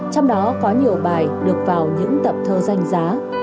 trong đó có nhiều bài được vào những tập thơ danh giá